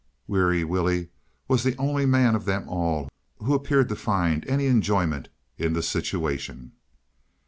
Weary Willie was the only man of them all who appeared to find any enjoyment in the situation.